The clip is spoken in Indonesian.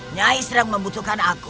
nyai sering membutuhkan aku